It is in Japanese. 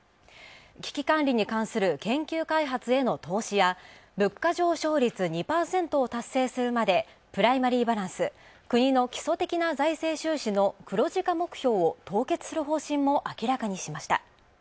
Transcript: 危機管理に関する研究開発への投資や物価上昇率２％を達成するまでプライマリーバランス、国の基礎的な財政収支の黒字化目標を凍結することも明らかにしました。